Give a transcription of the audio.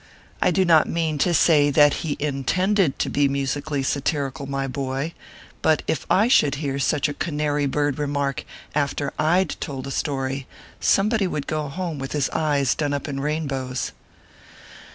I do not mean to say that he intended to be musically satirical, my boy ; but if I should hear such a canary bird remark after I d told a story, somebody would go home with his eyes done up in rainbows.